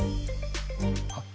あっ。